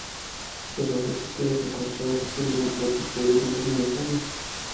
Los objetos que hayas encontrado te servirán para construir defensas necesarias.